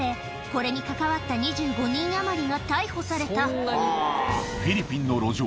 これに関わった２５人余りが逮捕されたフィリピンの路上